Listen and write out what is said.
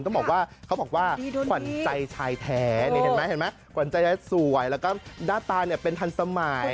เขาบอกว่าขวัญใจชายแท้เห็นไหมสวยแล้วก็หน้าตาเป็นทันสมัย